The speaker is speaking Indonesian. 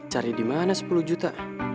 cari dimana sepuluh juta